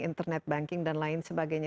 internet banking dan lain sebagainya